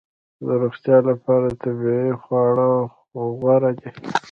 د روغتیا لپاره طبیعي خواړه غوره دي